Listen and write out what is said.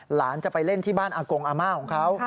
หลานจะไปเล่นที่บ้านอากงอาม่าของเขา